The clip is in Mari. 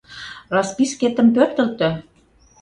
Распискетым пӧртылтӧ.